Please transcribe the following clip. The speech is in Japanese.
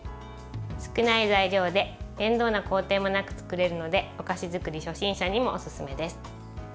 少ない材料で面倒な工程もなく作れるのでお菓子作り初心者にもおすすめです。